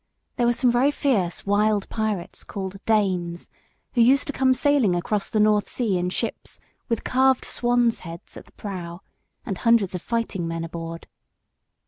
There were some very fierce wild pirates, called Danes, who used to come sailing across the North Sea in ships with carved swans' heads at the prow, and hundreds of fighting men aboard.